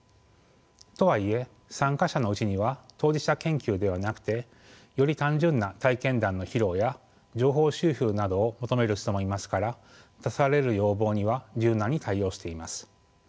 とはいえ参加者のうちには当事者研究ではなくてより単純な体験談の披露や情報収集などを求める人もいますから出される要望には柔軟に対応しています。